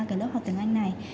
cái lớp học tiếng anh này